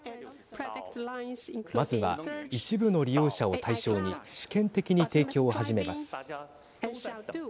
まずは一部の利用者を対象に試験的に提供を始めます。